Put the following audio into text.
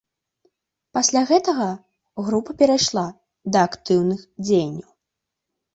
Пасля гэтага група перайшла да актыўных дзеянняў.